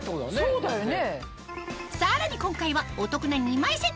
そうだよね。